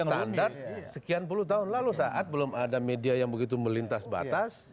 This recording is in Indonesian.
standar sekian puluh tahun lalu saat belum ada media yang begitu melintas batas